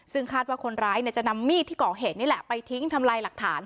ซึ่งคาดว่าคนร้ายจะนำมีดที่ก่อเหตุนี่แหละไปทิ้งทำลายหลักฐาน